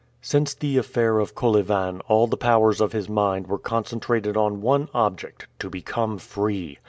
Since the affair of Kolyvan all the powers of his mind were concentrated on one object to become free!